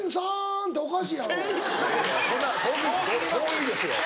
遠いですよ。